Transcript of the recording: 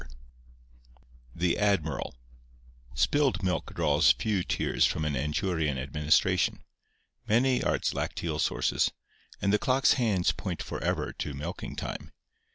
VIII THE ADMIRAL Spilled milk draws few tears from an Anchurian administration. Many are its lacteal sources; and the clocks' hands point forever to milking time.